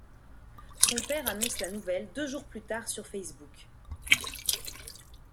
Son père annonce la nouvelle deux jours plus tard sur Facebook.